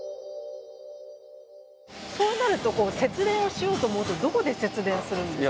そうなると節電をしようと思うとどこでするんですか？